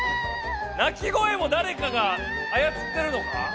鳴き声もだれかがあやつってるのか？